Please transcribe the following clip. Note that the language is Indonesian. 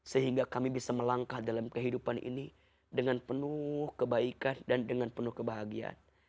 sehingga kami bisa melangkah dalam kehidupan ini dengan penuh kebaikan dan dengan penuh kebahagiaan